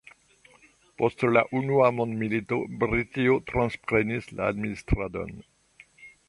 Post la unua mondmilito Britio transprenis la administradon.